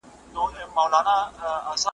ساقي نوې مي توبه کړه ډک جامونه ښخومه